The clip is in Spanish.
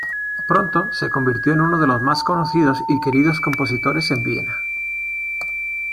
Pronto se convirtió en uno de los más conocidos y queridos compositores en Viena.